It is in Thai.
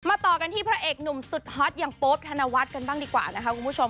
ต่อกันที่พระเอกหนุ่มสุดฮอตอย่างโป๊ปธนวัฒน์กันบ้างดีกว่านะคะคุณผู้ชม